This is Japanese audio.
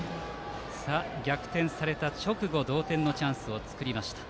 逆転された直後同点のチャンスを作りました。